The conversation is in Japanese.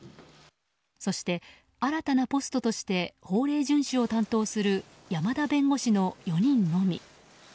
そして、新たなポストとして法令順守を担当する山田弁護士の４人のみ。